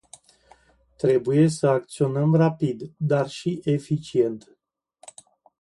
Trebuie să acționăm rapid, dar și eficient.